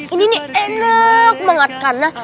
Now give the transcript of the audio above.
ini nih enek banget karena